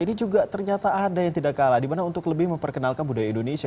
ini juga ternyata ada yang tidak kalah dimana untuk lebih memperkenalkan budaya indonesia